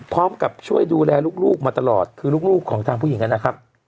พร้อมกับช่วยดูแลลูกมาตลอดคือลูกของทางผู้หญิงนะครับ